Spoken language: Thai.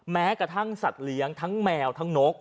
แม้กระทั่งสัตว์เลี้ยงทั้งแมวทั้งนก